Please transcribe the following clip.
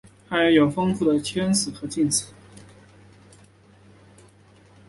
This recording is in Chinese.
汉语有丰富的谦辞和敬辞。